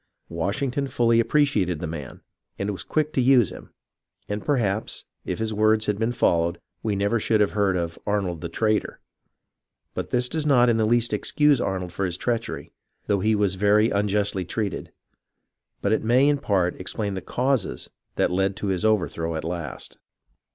Washington fully appreciated the man, and was quick to use him, and perhaps, if his words had been followed, we never should have heard of Arnold the traitor. This does not in the least excuse Arnold for his treachery, though he was very 76 THE MARCH ON QUEBEC 77 unjustly treated ; but it may, in part, explain the causes that led to his overthrow at last.